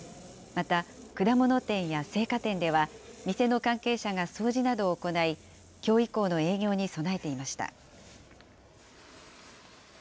また、果物店や生花店では、店の関係者が掃除などを行い、きょう以降の営業に備えていました。